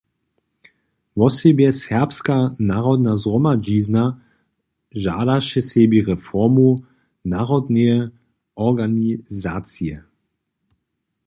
Wosebje Serbska narodna zhromadźizna žadaše sebi reformu narodneje organizacije.